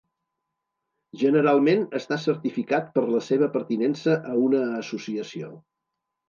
Generalment està certificat per la seva pertinença a una associació.